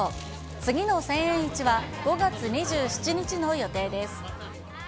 次の千円市は５月２７日の予定です。